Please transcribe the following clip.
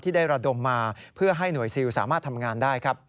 ได้ระดมมาเพื่อให้หน่วยซิลสามารถทำงานได้ครับ